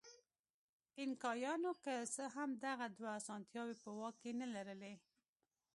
اینکایانو که څه هم دغه دوه اسانتیاوې په واک کې نه لرلې.